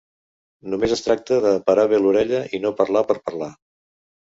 Només es tracta de parar bé l'orella i no parlar per parlar.